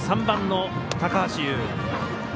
３番の高橋友。